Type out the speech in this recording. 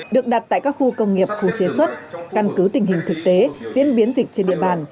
được đặt tại các khu công nghiệp khu chế xuất căn cứ tình hình thực tế diễn biến dịch trên địa bàn